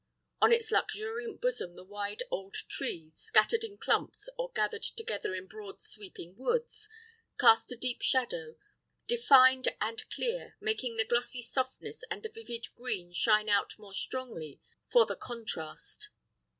On its luxuriant bosom the wide old trees, scattered in clumps, or gathered together in broad sweeping woods, cast a deep shadow, defined and clear, making the glossy softness and the vivid green shine out more strongly for the contrast.